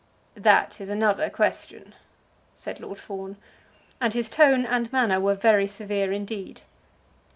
"That is another question," said Lord Fawn; and his tone and manner were very severe indeed.